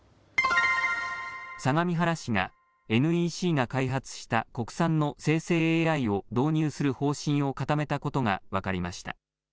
相模原市がＮＥＣが開発した国産の生成ＡＩを導入する方針を固めたことが分かりました。